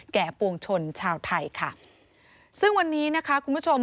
ปวงชนชาวไทยค่ะซึ่งวันนี้นะคะคุณผู้ชม